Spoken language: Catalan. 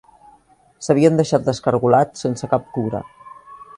S'havien deixat descargolats sense cap cura.